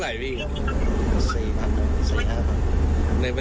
แล้วขอโทษพี่บินหนูจะโอนตังคืนให้